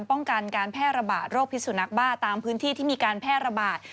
ป้องกันการแพร่ระบาดโรคพิษสุนักบ้าตามพื้นที่ที่มีการแพร่ระบาด